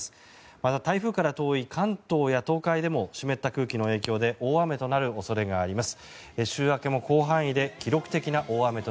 また台風から遠い関東や東海でも湿った空気の影響で大雨となる恐れがあります。